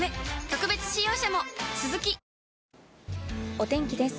お天気です。